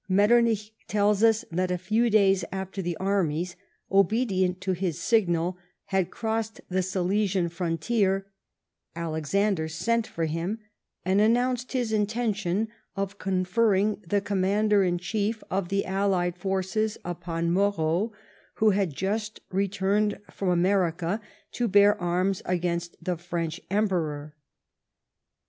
Metternich tells us that a few days after the armies, obedient to his signal, had crossed tlie Silesian frontier, Alexander sent for him, and announced his intention of conferring tlie command in chief of the allied forces upon Moreau, who had just returned from Americii to bear arms against the French Emperor.